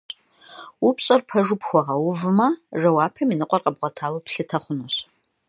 Упщӏэр пэжу пхуэгъэувмэ, жэуапым и ныкъуэр къэбгъуэтауэ плъытэ хъунущ.